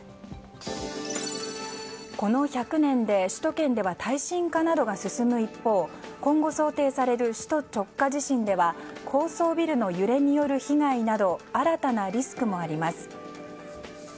この１００年で、首都圏では耐震化などが進む一方今後、想定される首都直下地震では高層ビルの揺れによる被害など新たなリスクもあります。